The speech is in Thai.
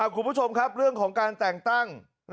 คุณผู้ชมครับเรื่องของการแต่งตั้ง